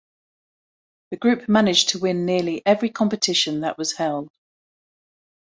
The group managed to win nearly every competition that was held.